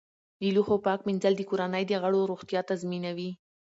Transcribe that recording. د لوښو پاک مینځل د کورنۍ د غړو روغتیا تضمینوي.